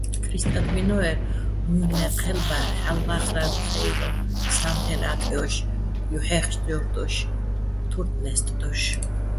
ქრისტადვინო́ერ, მუჲლნე́ჴელბა ჰ̦ალო̆ ვა́ხრალო̆ ფხე́ილო, სა́ნთელ აკჲოშ, ჲუჰ̦ეხჯორ დოშ, თურ ლე́სტდოშ.